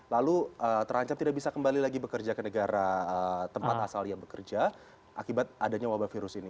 lalu terancam tidak bisa kembali lagi bekerja ke negara tempat asal dia bekerja akibat adanya wabah virus ini